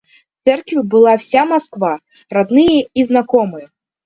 В церкви была вся Москва, родные и знакомые.